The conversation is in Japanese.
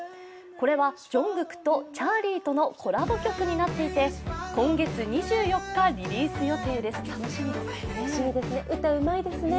これは、ＪＵＮＧＫＯＯＫとチャーリーとのコラボ曲になっていて、今月２４日リリース予定、楽しみですね。